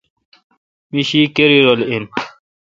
می شی کری رل این۔